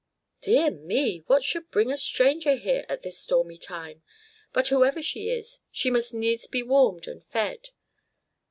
"Dear me! what should bring a stranger here at this stormy time? But whoever she is, she must needs be warmed and fed."